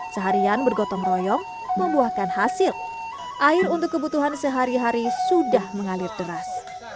seharian bergotong royong membuahkan hasil air untuk kebutuhan sehari hari sudah mengalir deras